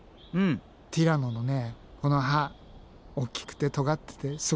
ティラノのねこの歯大きくてとがっててすごくない？